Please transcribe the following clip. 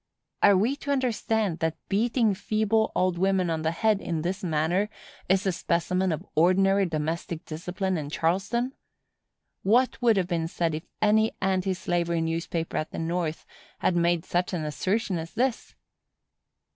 Are we to understand that beating feeble old women on the head, in this manner, is a specimen of ordinary domestic discipline in Charleston? What would have been said if any anti slavery newspaper at the North had made such an assertion as this?